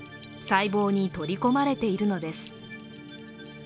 細胞に取り込まれているのです。